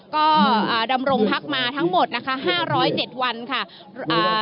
ก็อ่าดำรงพักมาทั้งหมดนะคะห้าร้อยเจ็ดวันค่ะอ่า